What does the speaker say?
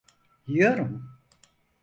Yiyorum.